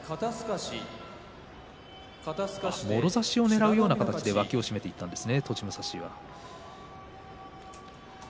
もろ差しをねらうような形で栃武蔵は脇を締めていったんですね。